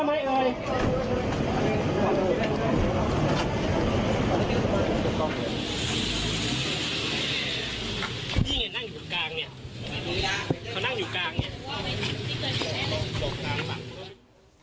นั่งอยู่กลางเนี่ยเขานั่งอยู่กลางเนี่ย